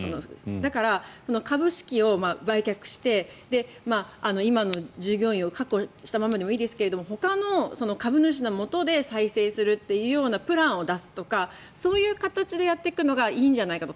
だから、株式を売却して今の従業員を確保したままでもいいですがほかの株主のもとで再生するというプランを出すとかそういう形でやっていくのがいいんじゃないかと。